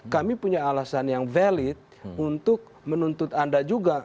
kami punya alasan yang valid untuk menuntut anda juga